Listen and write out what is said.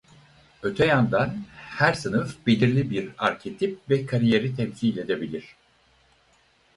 Öte yandan her sınıf belirli bir arketip ve kariyeri temsil edebilir.